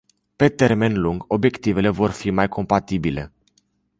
Pe termen lung, obiectivele vor fi mai compatibile.